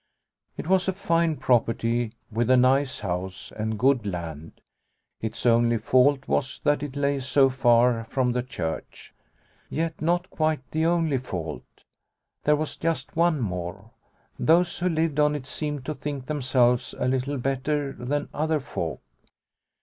It was a fine property with a nice house and good land. Its only fault was that it lay so far from the church. Yet not quite the only fault ! There was just one more. Those who lived on it seemed to think themselves a little better than other folk.